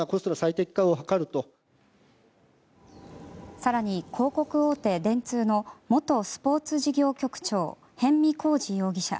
更に、広告大手電通の元スポーツ事業局長逸見晃治容疑者。